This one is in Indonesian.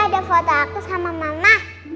ada foto aku sama mama